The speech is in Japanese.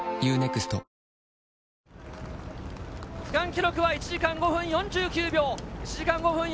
区間記録は１時間５分４９秒。